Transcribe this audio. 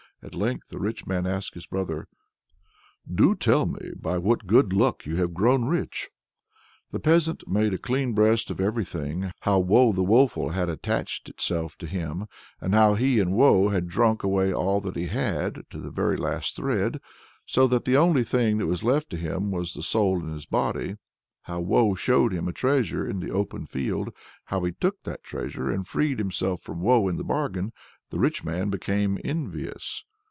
At length the rich man asked his brother: "Do tell me by what good luck have you grown rich?" The peasant made a clean breast of everything how Woe the Woeful had attached itself to him, how he and Woe had drunk away all that he had, to the very last thread, so that the only thing that was left him was the soul in his body. How Woe showed him a treasure in the open field, how he took that treasure, and freed himself from Woe into the bargain. The rich man became envious.